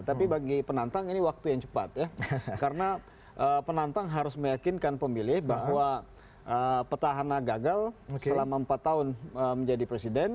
tapi bagi penantang ini waktu yang cepat ya karena penantang harus meyakinkan pemilih bahwa petahana gagal selama empat tahun menjadi presiden